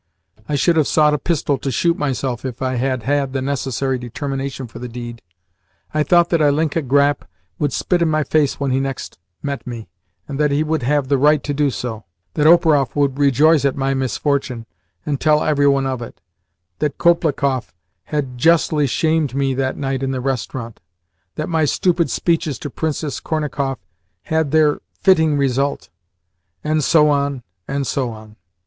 I should have sought a pistol to shoot myself if I had had the necessary determination for the deed. I thought that Ilinka Grap would spit in my face when he next met me, and that he would have the right to do so; that Operoff would rejoice at my misfortune, and tell every one of it; that Kolpikoff had justly shamed me that night at the restaurant; that my stupid speeches to Princess Kornikoff had had their fitting result; and so on, and so on.